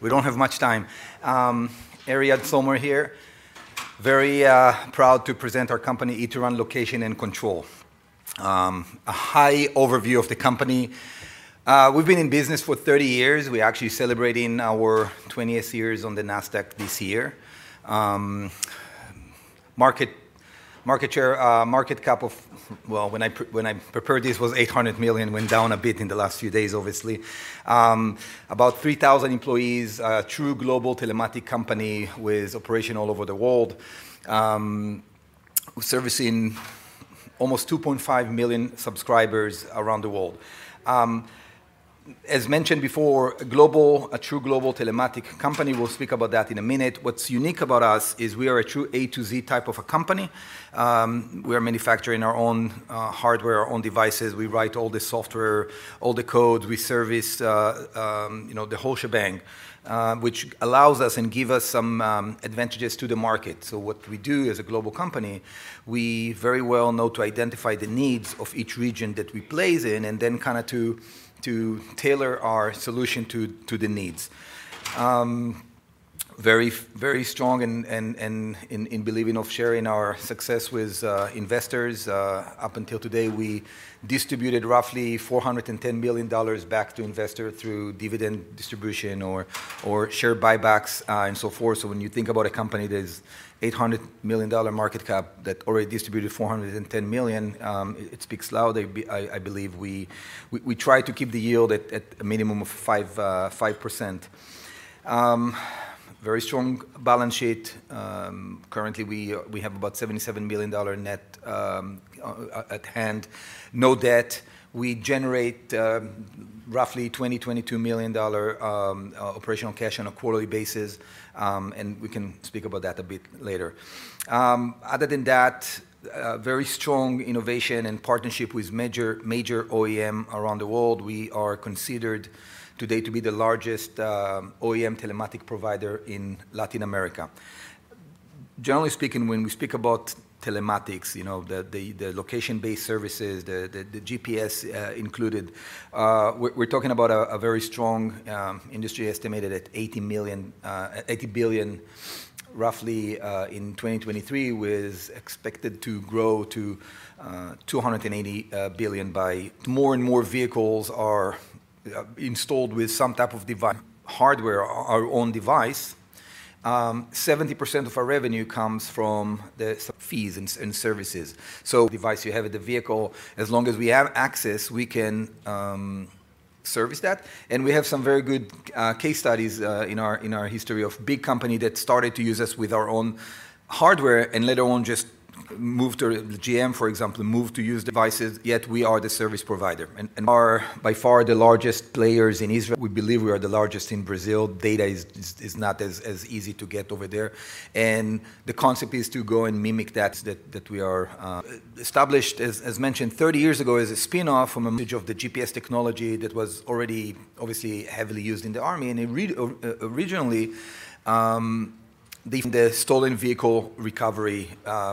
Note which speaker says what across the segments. Speaker 1: We don't have much time. Ariad Sommer here, very proud to present our company, Ituran Location and Control. A high overview of the company. We've been in business for 30 years. We're actually celebrating our 20th year on the Nasdaq this year. Market, market share, market cap of, well, when I prepared this was $800 million, went down a bit in the last few days, obviously. About 3,000 employees, a true global telematics company with operation all over the world, servicing almost 2.5 million subscribers around the world. As mentioned before, a global, a true global telematics company. We'll speak about that in a minute. What's unique about us is we are a true A to Z type of a company. We are manufacturing our own hardware, our own devices. We write all the software, all the code. We service, you know, the whole shebang, which allows us and gives us some advantages to the market. What we do as a global company, we very well know to identify the needs of each region that we place in and then kinda to tailor our solution to the needs. Very, very strong in believing of sharing our success with investors. Up until today, we distributed roughly $410 million back to investors through dividend distribution or share buybacks, and so forth. When you think about a company that is $800 million market cap that already distributed $410 million, it speaks loudly. I believe we try to keep the yield at a minimum of 5%. Very strong balance sheet. Currently we have about $77 million net at hand. No debt. We generate roughly $20-$22 million operational cash on a quarterly basis, and we can speak about that a bit later. Other than that, very strong innovation and partnership with major, major OEM around the world. We are considered today to be the largest OEM telematics provider in Latin America. Generally speaking, when we speak about telematics, you know, the location-based services, the GPS included, we're talking about a very strong industry estimated at $80 billion, roughly, in 2023, with expected to grow to $280 billion by. More and more vehicles are installed with some type of dev hardware, our own device. 70% of our revenue comes from the fees and services. Device you have in the vehicle. As long as we have access, we can service that. We have some very good case studies in our history of big company that started to use us with our own hardware and later on just moved to the GM, for example, moved to use devices, yet we are the service provider. We are by far the largest players in. We believe we are the largest in Brazil. Data is not as easy to get over there. The concept is to go and mimic that. We are established, as mentioned, 30 years ago as a spinoff from the GPS technology that was already obviously heavily used in the army. Originally, the stolen vehicle recovery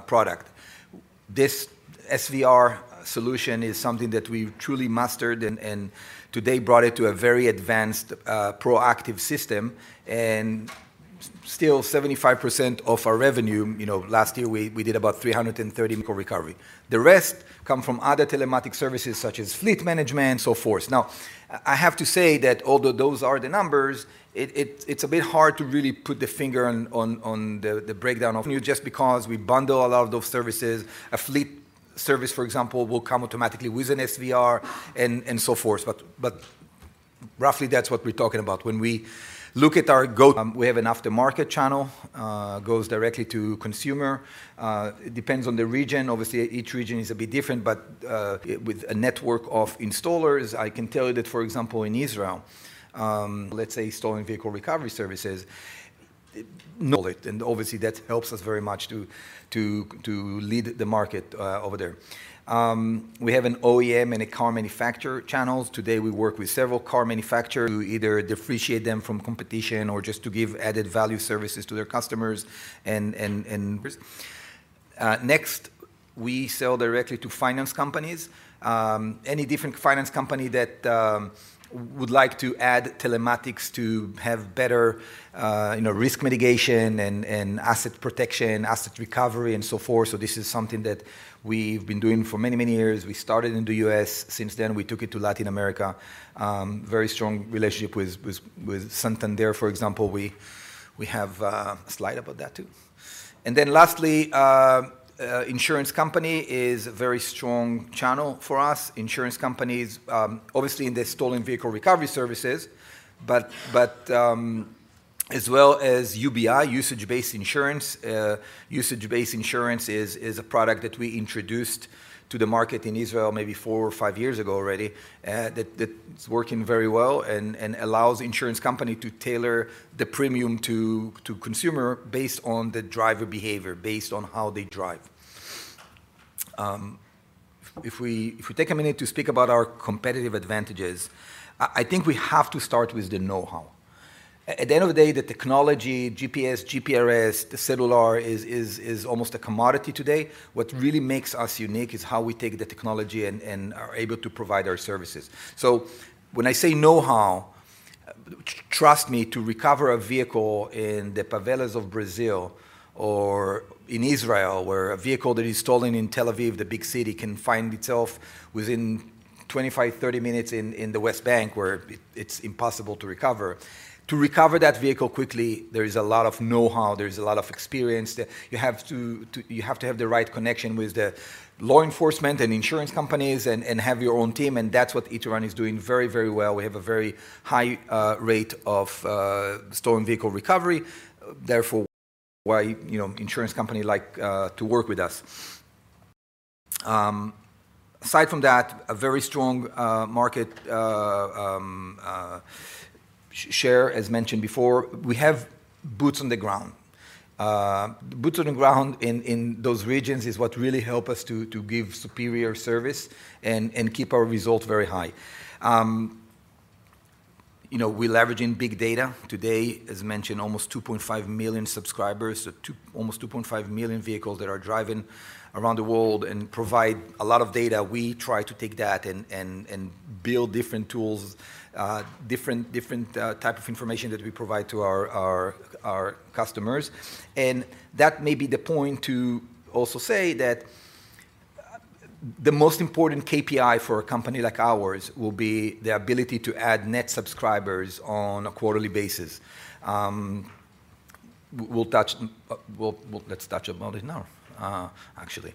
Speaker 1: product, this SVR solution, is something that we truly mastered and today brought it to a very advanced, proactive system. Still, 75% of our revenue, you know, last year we did about $330 million. For recovery, the rest come from other telematics services such as fleet management, so forth. Now, I have to say that although those are the numbers, it's a bit hard to really put the finger on the breakdown just because we bundle a lot of those services. A fleet service, for example, will come automatically with an SVR and so forth. Roughly, that's what we're talking about. When we look at our go-to-market, we have an aftermarket channel, goes directly to consumer. It depends on the region. Obviously, each region is a bit different, but with a network of installers, I can tell you that, for example, in Israel, let's say stolen vehicle recovery services. No. It. Obviously that helps us very much to lead the market over there. We have an OEM and a car manufacturer channels. Today we work with several car manufacturers, either differentiate them from competition or just to give added value services to their customers. Next, we sell directly to finance companies. Any different finance company that would like to add telematics to have better, you know, risk mitigation and asset protection, asset recovery, and so forth. This is something that we've been doing for many, many years. We started in the U.S., since then we took it to Latin America. Very strong relationship with Santander, for example. We have a slide about that too. Lastly, insurance company is a very strong channel for us. Insurance companies, obviously in the stolen vehicle recovery services, as well as UBI, usage-based insurance. Usage-based insurance is a product that we introduced to the market in Israel maybe four or five years ago already, that's working very well and allows insurance company to tailor the premium to consumer based on the driver behavior, based on how they drive. If we take a minute to speak about our competitive advantages, I think we have to start with the know-how. At the end of the day, the technology, GPS, GPRS, the cellular is almost a commodity today. What really makes us unique is how we take the technology and are able to provide our services. When I say know-how, trust me, to recover a vehicle in the favelas of Brazil or in Israel, where a vehicle that is stolen in Tel Aviv, the big city, can find itself within 25-30 minutes in the West Bank where it's impossible to recover. To recover that vehicle quickly, there is a lot of know-how. There is a lot of experience. You have to, you have to have the right connection with the law enforcement and insurance companies and have your own team. That's what Ituran is doing very, very well. We have a very high rate of stolen vehicle recovery. Therefore, you know, insurance companies like to work with us. Aside from that, a very strong market share, as mentioned before. We have boots on the ground. Boots on the ground in those regions is what really help us to give superior service and keep our result very high. You know, we're leveraging big data today. As mentioned, almost 2.5 million subscribers, so almost 2.5 million vehicles that are driving around the world and provide a lot of data. We try to take that and build different tools, different type of information that we provide to our customers. That may be the point to also say that the most important KPI for a company like ours will be the ability to add net subscribers on a quarterly basis. Let's touch about it now, actually.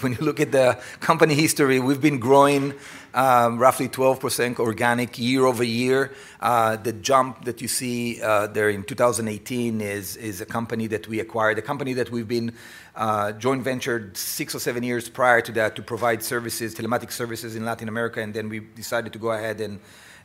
Speaker 1: When you look at the company history, we've been growing roughly 12% organic year over year. The jump that you see there in 2018 is a company that we acquired, a company that we had joint ventured six or seven years prior to that to provide services, telematics services in Latin America. Then we decided to go ahead and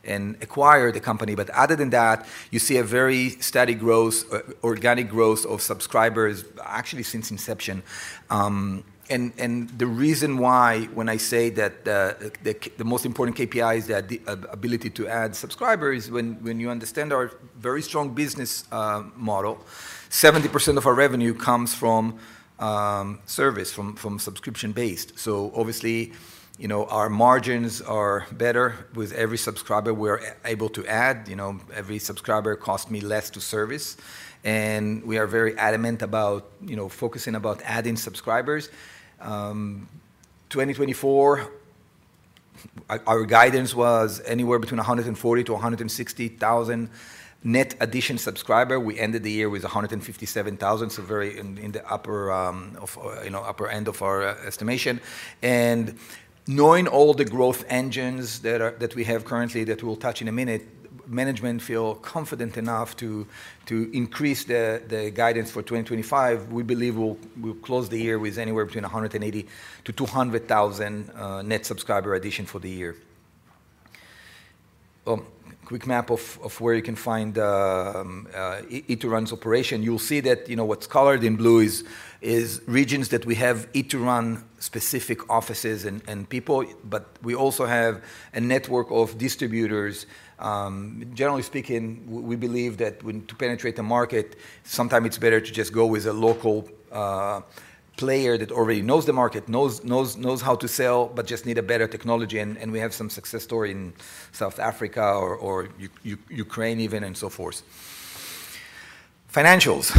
Speaker 1: acquire the company. Other than that, you see a very steady growth, organic growth of subscribers actually since inception. The reason why, when I say that the most important KPI is the ability to add subscribers, when you understand our very strong business model, 70% of our revenue comes from service, from subscription-based. Obviously, you know, our margins are better with every subscriber we are able to add. You know, every subscriber costs me less to service. We are very adamant about, you know, focusing about adding subscribers. 2024, our guidance was anywhere between 140,000 to 160,000 net addition subscriber. We ended the year with 157,000, so very in the upper, you know, upper end of our estimation. Knowing all the growth engines that we have currently that we'll touch in a minute, management feel confident enough to increase the guidance for 2025. We believe we'll close the year with anywhere between 180,000 to 200,000 net subscriber addition for the year. Quick map of where you can find Ituran's operation. You'll see that, you know, what's colored in blue is regions that we have Ituran-specific offices and people. We also have a network of distributors. Generally speaking, we believe that when to penetrate the market, sometimes it's better to just go with a local player that already knows the market, knows how to sell, but just needs better technology. We have some success story in South Africa or Ukraine even and so forth. Financials.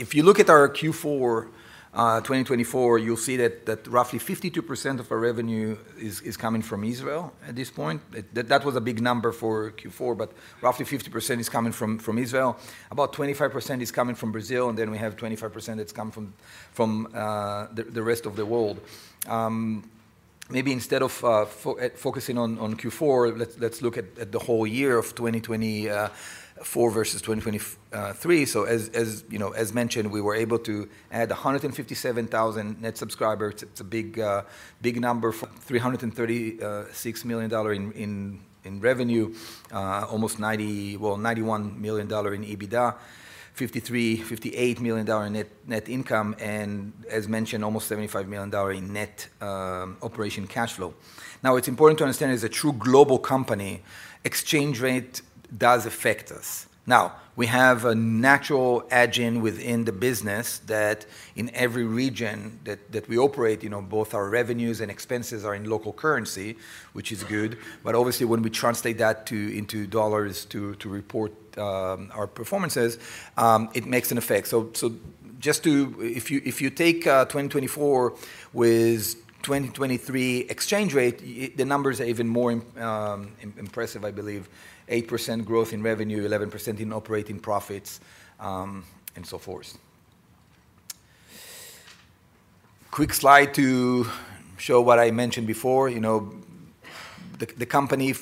Speaker 1: If you look at our Q4 2024, you'll see that roughly 52% of our revenue is coming from Israel at this point. That was a big number for Q4, but roughly 50% is coming from Israel. About 25% is coming from Brazil. Then we have 25% that's come from the rest of the world. Maybe instead of focusing on Q4, let's look at the whole year of 2024 versus 2023. As you know, as mentioned, we were able to add 157,000 net subscribers. It's a big, big number. $336 million in revenue, almost $91 million in EBITDA, $53, $58 million in net income, and as mentioned, almost $75 million in net operation cash flow. Now, it's important to understand as a true global company, exchange rate does affect us. We have a natural advantage within the business that in every region that we operate, you know, both our revenues and expenses are in local currency, which is good. Obviously, when we translate that into dollars to report our performances, it makes an effect. Just to, if you take 2024 with 2023 exchange rate, the numbers are even more impressive, I believe. 8% growth in revenue, 11% in operating profits, and so forth. Quick slide to show what I mentioned before. You know, the company,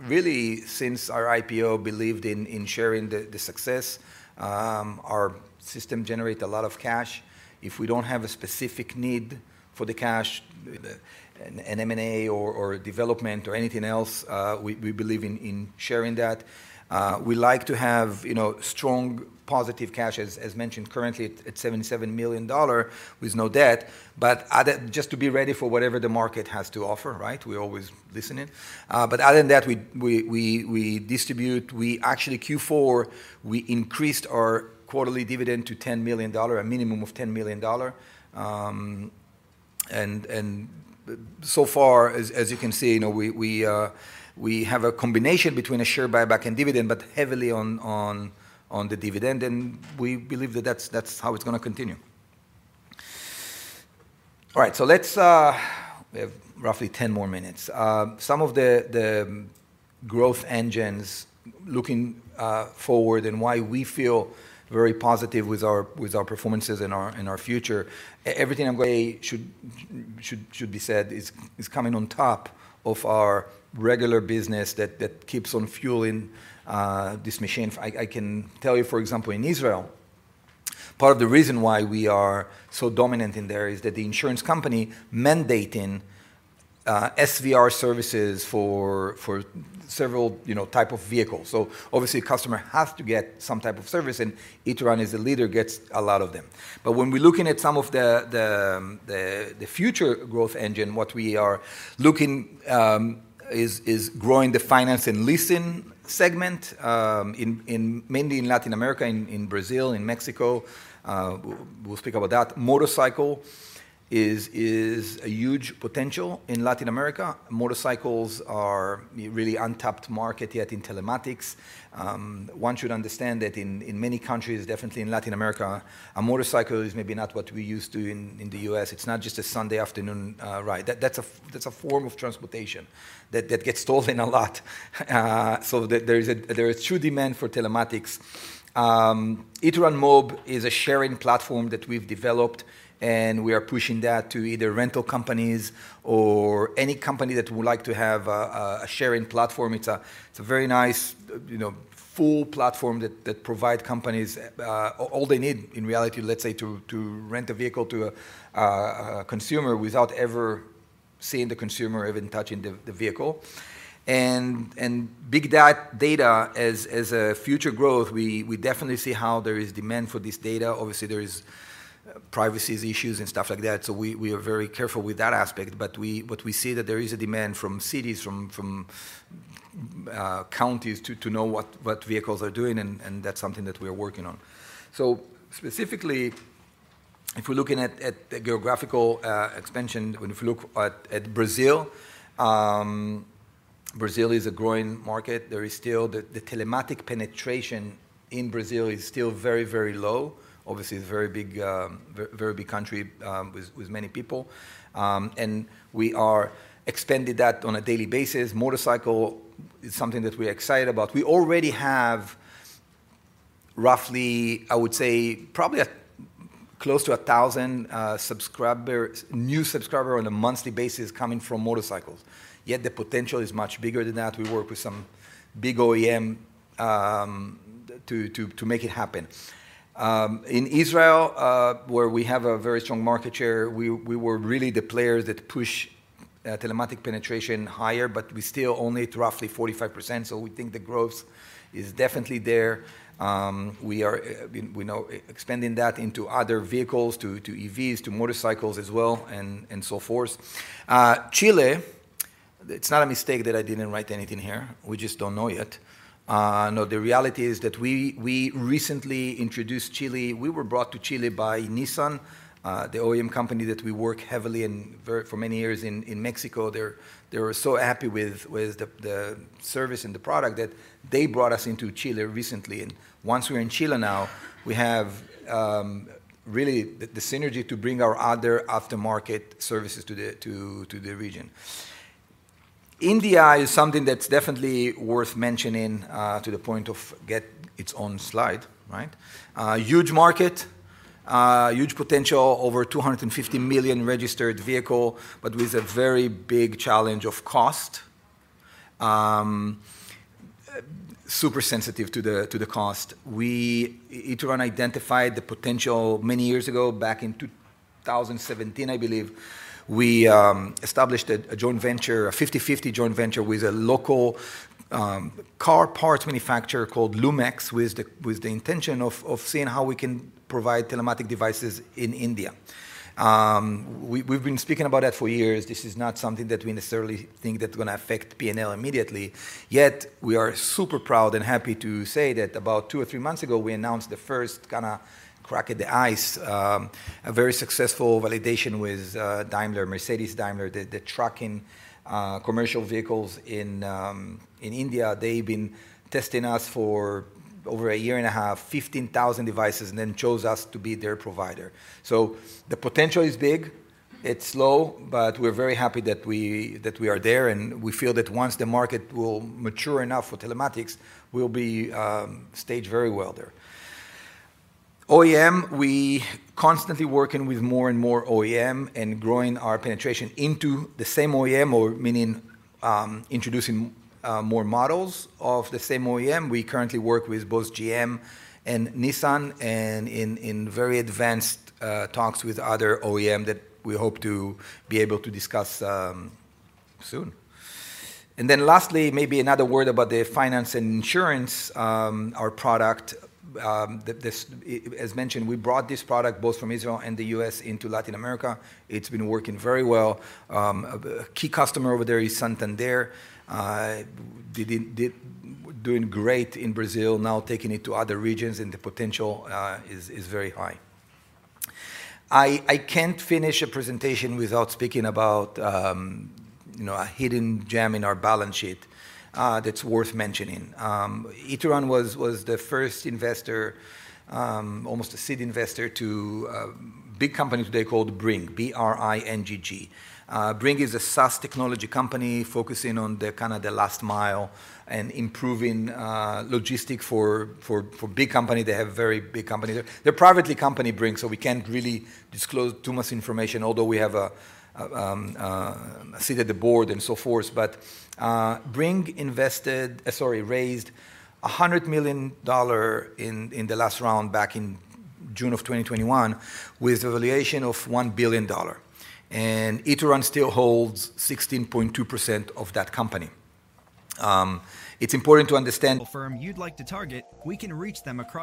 Speaker 1: really since our IPO believed in sharing the success, our system generates a lot of cash. If we do not have a specific need for the cash, an M&A or development or anything else, we believe in sharing that. We like to have, you know, strong positive cash, as mentioned currently at $77 million with no debt, just to be ready for whatever the market has to offer, right? We are always listening. Other than that, we distribute, we actually in Q4 increased our quarterly dividend to $10 million, a minimum of $10 million. As you can see, you know, we have a combination between a share buyback and dividend, but heavily on the dividend. We believe that that's, that's how it's gonna continue. All right. Let's, we have roughly 10 more minutes. Some of the growth engines looking forward and why we feel very positive with our, with our performances and our, and our future. Everything I'm gonna say should, should, should be said is, is coming on top of our regular business that keeps on fueling this machine. I can tell you, for example, in Israel, part of the reason why we are so dominant in there is that the insurance company mandating SVR services for several, you know, type of vehicles. So obviously customer has to get some type of service and Ituran is the leader, gets a lot of them. When we're looking at some of the future growth engine, what we are looking at is growing the finance and leasing segment, mainly in Latin America, in Brazil, in Mexico. We'll speak about that. Motorcycle is a huge potential in Latin America. Motorcycles are really an untapped market yet in telematics. One should understand that in many countries, definitely in Latin America, a motorcycle is maybe not what we are used to in the US. It's not just a Sunday afternoon ride. That's a form of transportation that gets stolen a lot, so there is true demand for telematics. Ituran Mob is a sharing platform that we've developed and we are pushing that to either rental companies or any company that would like to have a sharing platform. It's a very nice, you know, full platform that provide companies all they need in reality, let's say to rent a vehicle to a consumer without ever seeing the consumer, even touching the vehicle. And big data as a future growth, we definitely see how there is demand for this data. Obviously there is privacy issues and stuff like that. We are very careful with that aspect. What we see is that there is a demand from cities, from counties to know what vehicles are doing. That's something that we are working on. Specifically, if we're looking at the geographical expansion, if we look at Brazil, Brazil is a growing market. There is still the telematics penetration in Brazil is still very, very low. Obviously it's a very big, very, very big country, with many people. We are expanding that on a daily basis. Motorcycle is something that we are excited about. We already have roughly, I would say probably close to 1,000 new subscribers on a monthly basis coming from motorcycles. Yet the potential is much bigger than that. We work with some big OEM to make it happen. In Israel, where we have a very strong market share, we were really the players that push telematics penetration higher, but we are still only at roughly 45%. We think the growth is definitely there. We are now expanding that into other vehicles, to EVs, to motorcycles as well, and so forth. Chile, it's not a mistake that I didn't write anything here. We just don't know yet. No, the reality is that we recently introduced Chile. We were brought to Chile by Nissan, the OEM company that we work heavily and for many years in Mexico. They were so happy with the service and the product that they brought us into Chile recently. Once we're in Chile now, we have really the synergy to bring our other aftermarket services to the region. India is something that's definitely worth mentioning, to the point of get its own slide, right? Huge market, huge potential, over 250 million registered vehicles, but with a very big challenge of cost. Super sensitive to the cost. We, Ituran, identified the potential many years ago, back in 2017, I believe. We established a 50/50 joint venture with a local car parts manufacturer called Lumax, with the intention of seeing how we can provide telematics devices in India. We've been speaking about that for years. This is not something that we necessarily think is gonna affect P&L immediately. Yet we are super proud and happy to say that about two or three months ago, we announced the first kind of crack at the ice, a very successful validation with Daimler, Mercedes Daimler, the trucking, commercial vehicles in India. They've been testing us for over a year and a half, 15,000 devices, and then chose us to be their provider. The potential is big, it's low, but we're very happy that we are there. We feel that once the market will mature enough for telematics, we'll be staged very well there. OEM, we constantly working with more and more OEM and growing our penetration into the same OEM, or meaning, introducing more models of the same OEM. We currently work with both GM and Nissan, and in very advanced talks with other OEM that we hope to be able to discuss soon. Lastly, maybe another word about the finance and insurance, our product, the, as mentioned, we brought this product both from Israel and the U.S. into Latin America. It's been working very well. A key customer over there is Santander. Did doing great in Brazil, now taking it to other regions and the potential is very high. I can't finish a presentation without speaking about, you know, a hidden gem in our balance sheet, that's worth mentioning. Ituran was the first investor, almost a seed investor to a big company today called Bringg, B-R-I-N-G-G. Bringg is a SaaS technology company focusing on the kind of the last mile and improving logistic for, for big company. They have very big company. They're privately company Bringg, so we can't really disclose too much information, although we have a seat at the board and so forth. Bringg raised $100 million in the last round back in June of 2021 with the valuation of $1 billion. And Ituran still holds 16.2% of that company. It's important to understand. Firm you'd like to target, we can reach them across.